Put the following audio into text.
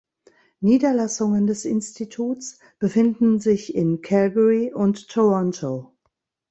Niederlassungen des Instituts befinden sich in Calgary und Toronto.